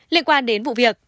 liên quan đến vụ việc